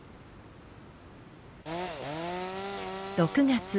６月。